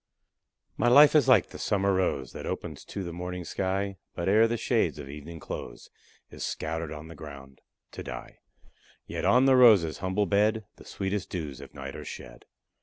My life is like the summer rose That opens to the morning sky, But ere the shades of evening close, Is scattered on the ground to die! Yet on the rose's humble bed The sweetest dews of night are shed.